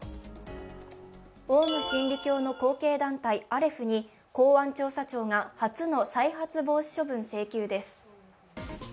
オウム真理教の後継団体・アレフに公安調査庁が初の再発防止処分請求です。